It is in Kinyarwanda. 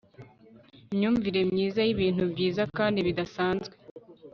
Imyumvire myiza yibintu byiza kandi bidasanzwe